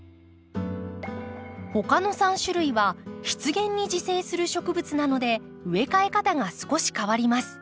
他の３種類は湿原に自生する植物なので植え替え方が少し変わります。